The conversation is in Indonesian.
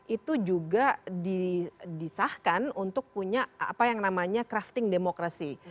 itu juga disahkan untuk punya apa yang namanya crafting demokrasi